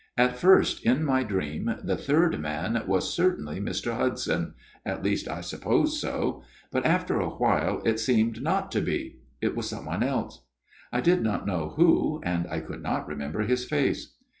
At first, in my dream, the third man was certainly Mr. Hudson at least, I supposed so but after a while it seemed not to be ; it was some one else, I did not know who, and I could not remember his face.